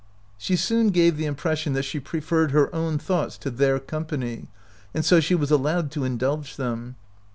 She soon gave the impression that she preferred her own thoughts to their company, and so she was allowed to indulge them.